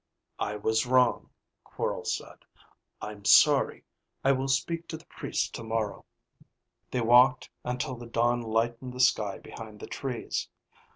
"I was wrong," Quorl said. "I'm sorry. I will speak to the priest tomorrow." They walked until the dawn lightened the sky behind the trees.